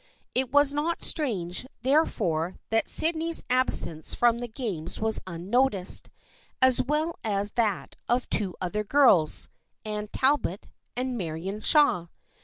It was not strange, therefore, that Sydney's absence from the games was unnoticed, as well as that of two other girls, Anne Talbot and Marion Shaw.